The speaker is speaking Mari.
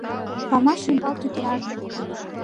Памаш ӱмбал тӱтыраже